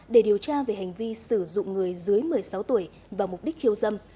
để điều tra về hành vi sử dụng người dưới một mươi sáu tuổi vào mục đích khiêu dâm